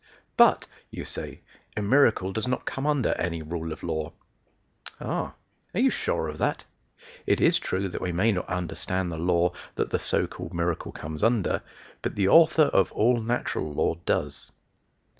"But," you say, "a miracle does not come under any rule of law." Ah! are you sure of that? It is true that we may not understand the law that the so called miracle comes under, but the Author of all natural law does.